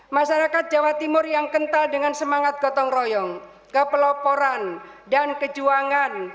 masyarakat jawa timur yang kental dengan semangat gotong royong kepeloporan dan kejuangan